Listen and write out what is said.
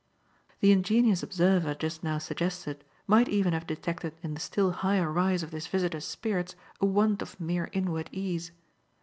The ingenious observer just now suggested might even have detected in the still higher rise of this visitor's spirits a want of mere inward ease.